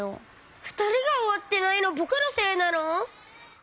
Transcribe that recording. ふたりがおわってないのぼくのせいなの？